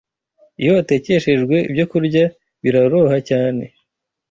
iyo atekeshwejwe ibyokurya biraroha cyane